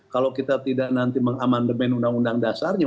kalau kita tidak nanti mengamandemen undang undang dasarnya